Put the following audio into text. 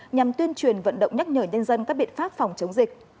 nhằm tuyên truyền vận động nhắc nhở nhân dân các biện pháp phòng chống dịch